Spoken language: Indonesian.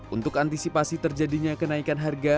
untuk antisipasi terjadinya kenaikan harga